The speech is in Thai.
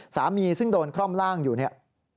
ซึ่งโดนคร่อมล่างอยู่เนี่ย